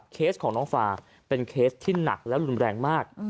เคสของน้องฟาเป็นเคสที่หนักและรุนแรงมาก